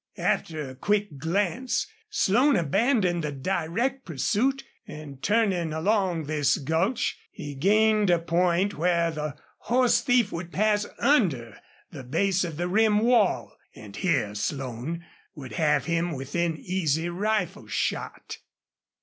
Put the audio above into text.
After a quick glance Slone abandoned the direct pursuit, and, turning along this gulch, he gained a point where the horse thief would pass under the base of the rim wall, and here Slone would have him within easy rifle shot.